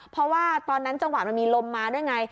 เพราะว่าตอนนั้นจังหวะมันมีลมมาด้วยไง